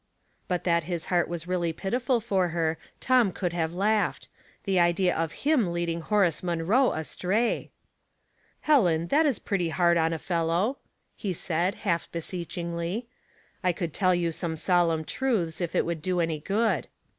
'* But that his heart was really pitiful for her, Tom could have laughed ; the idea of him lead ing Horace Munroe astray !" Helen, that is pretty hard on a fellow," he said, half beseechingly. " I could tell you some solemn truths, if it would do any good."